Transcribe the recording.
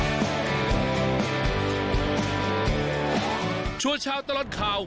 วันนี้พาลงใต้สุดไปดูวิธีของชาวปักใต้อาชีพชาวเล่น